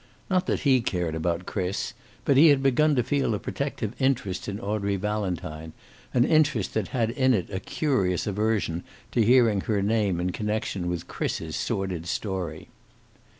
Not that he cared about Chris, but he had begun to feel a protective interest in Audrey Valentine, an interest that had in it a curious aversion to hearing her name in connection with Chris's sordid story.